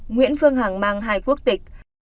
nguyễn phương hằng mang hai quốc tịch